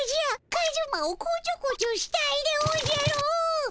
カズマをこちょこちょしたいでおじゃる。